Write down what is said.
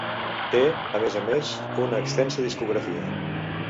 Té, a més a més, una extensa discografia.